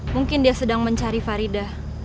mungkin dia sedang mencari farida